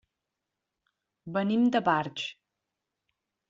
Venim de Barx.